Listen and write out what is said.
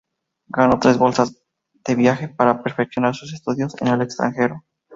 Ganó tres bolsas de viaje para perfeccionar sus estudios en el extranjero.